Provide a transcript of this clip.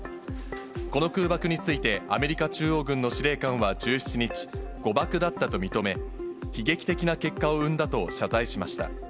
この空爆について、アメリカ中央軍の司令官は１７日、誤爆だったと認め、悲劇的な結果を生んだと謝罪しました。